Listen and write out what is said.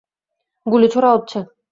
গুলি ছোড়া হচ্ছে!